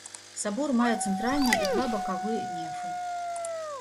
Сабор мае цэнтральны і два бакавы нефы.